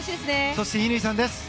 そして、乾さんです。